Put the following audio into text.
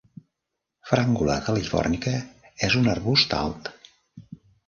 "Frangula californica" és un arbust alt.